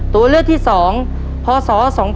ตัวเลือกที่๒พศ๒๕๖